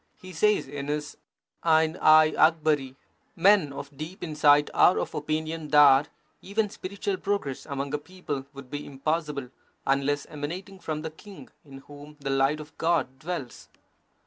He says in his Ain i Akbari : Men of deep insight are of opinion that even spiritual progress among a people would be impossible, unless emanating from the king, in whom the light of God dwells.